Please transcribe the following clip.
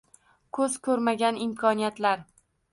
Ko‘z ko‘rmagan imkoniyatlar